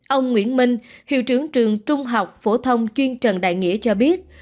ông nguyễn minh hiệu trưởng trường trung học phổ thông chuyên trần đại nghĩa cho biết